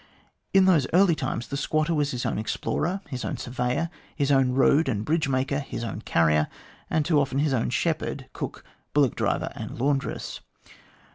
In those early times the squatter was his own explorer, his own surveyor, his own road and bridge maker, his own carrier, and too often, his own shepherd, cook, bullock driver, and laundress.